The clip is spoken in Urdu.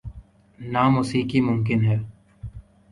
نہ موسیقی ممکن ہے۔